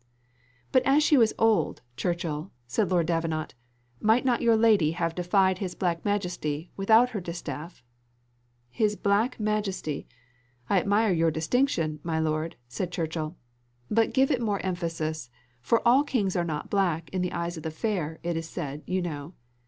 "But as she was old, Churchill," said Lord Davenant, "might not your lady have defied his black majesty, without her distaff?" "His black majesty! I admire your distinction, my lord," said Churchill, "but give it more emphasis; for all kings are not black in the eyes of the fair, it is said, you know."